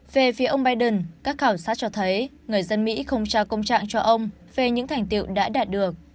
về phía ông biden các khảo sát cho thấy người dân mỹ không trao công trạng cho ông về những thành tiệu đã đạt được